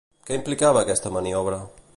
Què implicava aquesta maniobra?